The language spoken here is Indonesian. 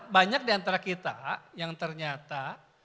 banyak diantara kita yang ternyata